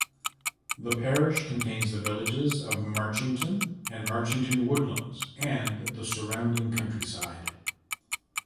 The parish contains the villages of Marchington and Marchington Woodlands and the surrounding countryside.